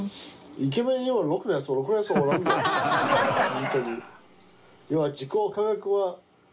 本当に。